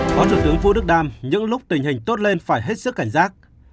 phó thủ tướng vũ đức đam những lúc tình hình tốt lên phải hết sức cảnh giác